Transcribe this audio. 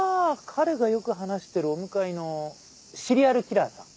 彼がよく話してるお向かいのシリアルキラーさん。